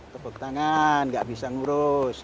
tepuk tangan nggak bisa ngurus